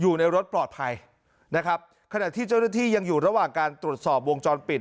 อยู่ในรถปลอดภัยนะครับขณะที่เจ้าหน้าที่ยังอยู่ระหว่างการตรวจสอบวงจรปิด